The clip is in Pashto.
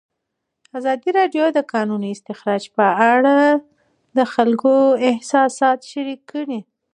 ازادي راډیو د د کانونو استخراج په اړه د خلکو احساسات شریک کړي.